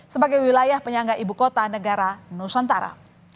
sebagai wilayah penyangga ibu kota negara nusantara